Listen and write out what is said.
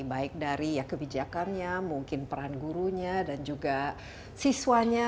baik dari kebijakannya mungkin peran gurunya dan juga siswanya